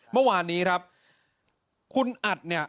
เมื่อวานนี้ครับคุณอัดเนี่ย